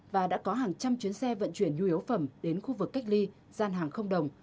và đã có hàng trăm chuyến xe vận chuyển nhu yếu phẩm đến khu vực cách ly gian hàng không đồng